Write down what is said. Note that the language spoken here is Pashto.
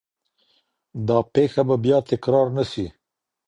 دا پیښه به بیا تکرار نه سي.